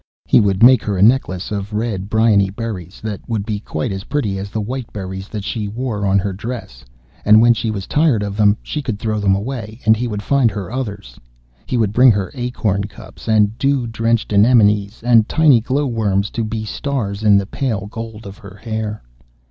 He would make her a necklace of red bryony berries, that would be quite as pretty as the white berries that she wore on her dress, and when she was tired of them, she could throw them away, and he would find her others. He would bring her acorn cups and dew drenched anemones, and tiny glow worms to be stars in the pale gold of her hair.